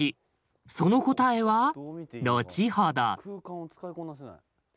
その答えは後ほど。